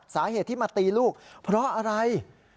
สาเหตุที่มาตีลูกเพราะอะไร